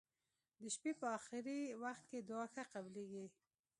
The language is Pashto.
د شپي په اخرې وخت کې دعا ښه قبلیږی.